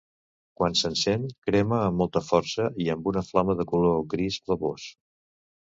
Quan s'encén, crema amb molta força i amb una flama de color gris blavós.